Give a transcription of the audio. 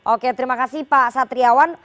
oke terima kasih pak satriawan